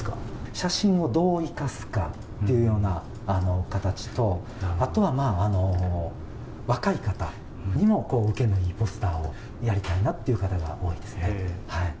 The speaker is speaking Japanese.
写真をどう生かすかというような形と、あとはまあ、若い方にも受けのよいポスターをやりたいなっていう方が多いです